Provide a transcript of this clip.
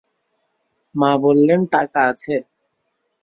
মা বললেন, টাকা আছে।